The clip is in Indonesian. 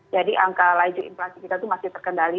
jadi angka laju inflasi kita itu masih terkendali